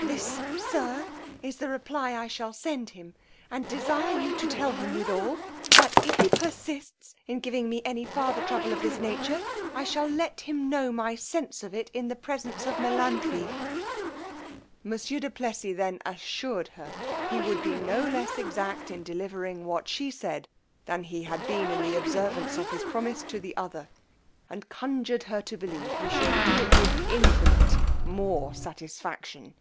This, sir, is the reply I send him, and desire you to tell him withal, that if he persists in giving me any farther trouble of this nature, I shall let him know my sense of it in the presence of Melanthe. Monsieur du Plessis then assured her he would be no less exact in delivering what she said, than he had been in the observance of his promise to the other, and conjured her to believe he should do it with infinite more satisfaction.